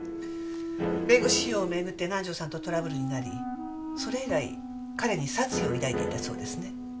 弁護士費用をめぐって南条さんとトラブルになりそれ以来彼に殺意を抱いていたそうですね。